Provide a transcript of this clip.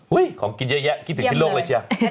อุ๊ยของกินเยอะกินถึงที่โลกเลยเชียว